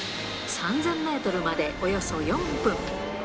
３０００メートルまでおよそ４分。